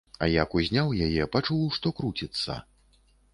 А як узняў яе, пачуў, што круціцца.